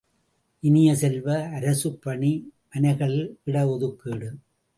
இனிய செல்வ, அரசுப்பணி மனைகளில் இட ஒதுக்கீடு!